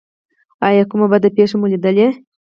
ایا کومه بده پیښه مو لیدلې؟